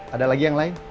ada lagi yang lain